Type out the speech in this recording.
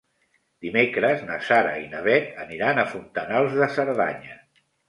Dimecres na Sara i na Bet aniran a Fontanals de Cerdanya.